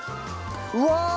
うわ！